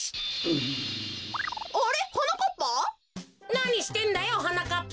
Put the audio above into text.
なにしてんだよはなかっぱ。